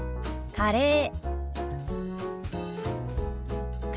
「カレー」。